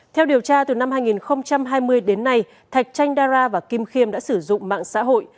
theo điều tra từ năm hai nghìn hai mươi đến nay thạch chanh dara và kim khiêm đã sử dụng mạng xã hội